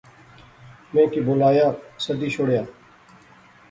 میں کی بولایا، سدی شوڑیا